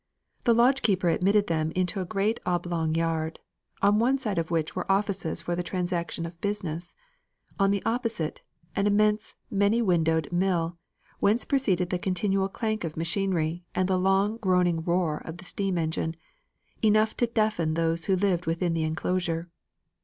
The lodge keeper admitted them into a great oblong yard, on one side of which were offices for the transaction of business; on the opposite, an immense many windowed mill, whence proceeded the continual clank of machinery and the long groaning roar of the steam engine, enough to deafen those who lived within the enclosure.